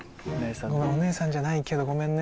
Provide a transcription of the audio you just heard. お姉さんじゃないけどごめんね。